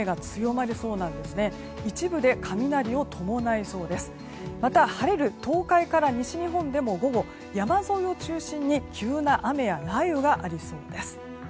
また、晴れる東海から西日本でも午後山沿いを中心に急な雨や雷雨がありそうです。